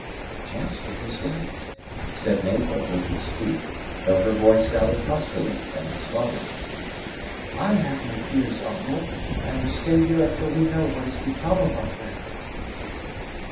"Jasper is right," said Mabel, who could speak, though her voice sounded huskily and smothered; "I have no fears, uncle, and will stay here until we know what has become of our friend."